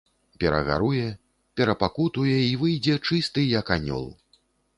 Перагаруе, перапакутуе і выйдзе чысты, як анёл.